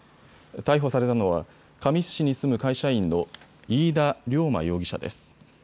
逮捕されたのは神栖市に住む会社員の飯田竜馬容疑者です。